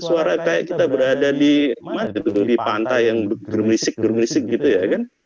suara kayak kita berada di pantai yang berisik gerrisik gitu ya kan